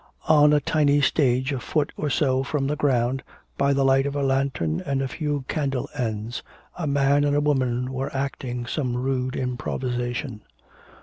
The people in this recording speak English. On a tiny stage a foot or so from the ground, by the light of a lantern and a few candle ends, a man and a woman were acting some rude improvisation.